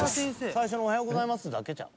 最初の「おはようございます」だけちゃう？